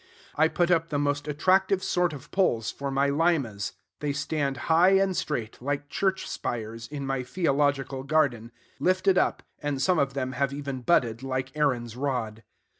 I put up the most attractive sort of poles for my Limas. They stand high and straight, like church spires, in my theological garden, lifted up; and some of them have even budded, like Aaron's rod.